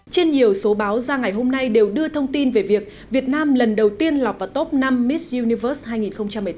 trên nhiều số báo ra ngày hôm nay đều đưa thông tin về việc việt nam lần đầu tiên lọt vào top năm mits universe hai nghìn một mươi tám